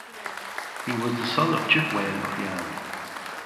He was the son of Duke Wen of Yan.